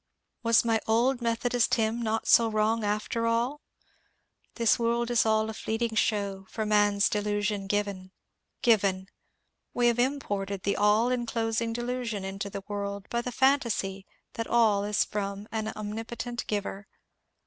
Was my old Methodist hynm not so wrong after all ?— This world is all a fleeting show For man's delusion given. ^^ Given I " We have imported the all enclosing delusion into the world by the phantasy that all is from an omnipotent Giver.